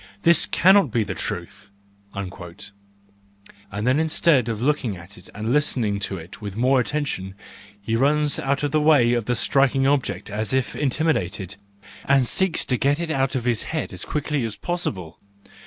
This cannot be the truth! "—and then, instead of looking at it and listening to it with more attention, he runs out of the way of the striking object as if intimidated, and seeks to get it out of his head as quickly as possible.